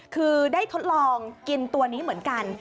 คือได้ทดลองกินตัวนี้เหมือนกัน